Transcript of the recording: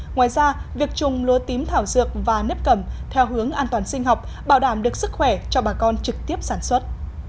ngoài ra việc trùng lúa tím thảo dược và nếp cầm theo hướng an toàn sinh học bảo đảm được sức khỏe cho bà con trực tiếp sản xuất